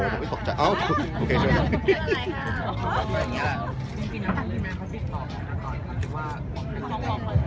มึงไม่ตกใจอ้าวโอเคช่วยนะทีนี้